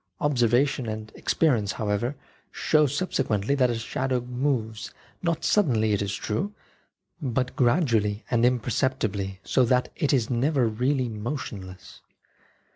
Observation and ex perience, however, show subsequently that a shadow moves not suddenly, it is true, but gradu ally and imperceptibly, so that it is never really motionless.